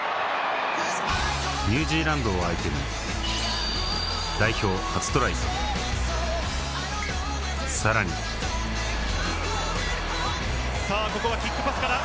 ニュージーランドを相手にさらにさぁここはキックパスから。